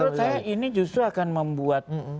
menurut saya ini justru akan membuat